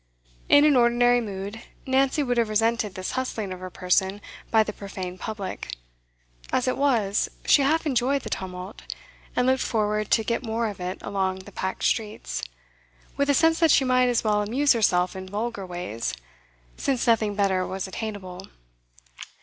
In an ordinary mood, Nancy would have resented this hustling of her person by the profane public; as it was, she half enjoyed the tumult, and looked forward to get more of it along the packed streets, with a sense that she might as well amuse herself in vulgar ways, since nothing better was attainable.